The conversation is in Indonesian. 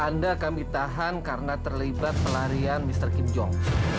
anda kami tahan karena terlibat pelarian mr kim jong